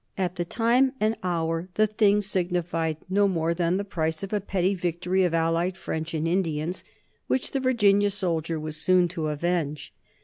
At the time and hour the thing signified no more than the price of a petty victory of allied French and Indians, which the Virginian soldier was soon to avenge.